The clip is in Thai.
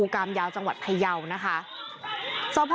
ตายหนึ่ง